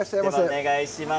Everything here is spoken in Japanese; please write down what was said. お願いします。